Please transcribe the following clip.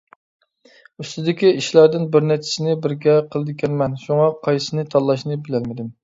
ئۈستىدىكى ئىشلاردىن بىرنەچچىسىنى بىرگە قىلىدىكەنمەن، شۇڭا قايسىسىنى تاللاشنى بىلەلمىدىم.